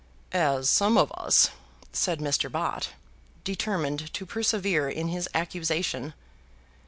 "As some of us," said Mr. Bott, determined to persevere in his accusation.